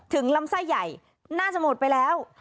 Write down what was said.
ลำไส้ใหญ่น่าจะหมดไปแล้ว